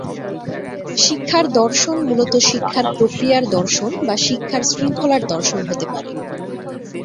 শিক্ষার দর্শন মূলত শিক্ষার প্রক্রিয়ার দর্শন বা শিক্ষার শৃঙ্খলার দর্শন হতে পারে।